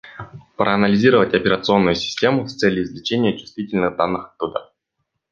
Проанализировать оперативную память с целью извлечения чувствительных данных оттуда